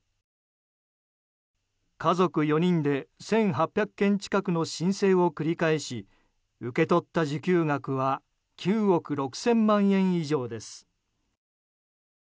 家族４人で１８００件近くの申請を繰り返し受け取った受給額は９億６０００万円以上です。